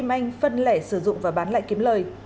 anh phân lẻ sử dụng và bán lại kiếm lời